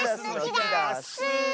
ダス！